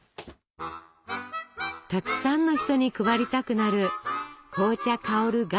たくさんの人に配りたくなる紅茶香る